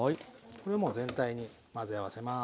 これもう全体に混ぜ合わせます。